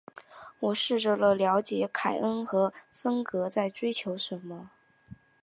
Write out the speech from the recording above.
我试着了解凯恩和芬格在追求什么。